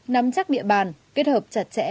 nắm chắc địa bàn kết hợp chặt chẽ